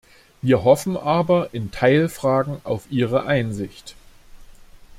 Wir hoffen aber in Teilfragen auf Ihre Einsicht.